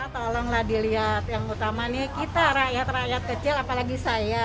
tolonglah dilihat yang utama nih kita rakyat rakyat kecil apalagi saya